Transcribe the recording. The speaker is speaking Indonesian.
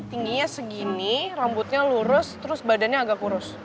tingginya segini rambutnya lurus terus badannya agak kurus